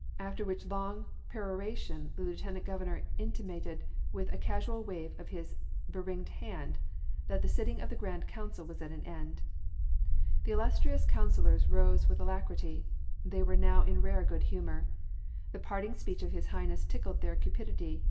’" After which long peroration the Lieutenant Governor intimated with a casual wave of his be ringed hand that the sitting of the Grand Council was at an end. The illustrious councillors rose with alacrity: they were now in rare good humour. The parting speech of His Highness tickled their cupidity.